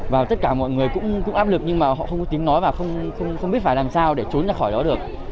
và tất cả mọi người cũng áp lực nhưng mà họ không có tiếng nói và không biết phải làm sao để trốn ra khỏi đó được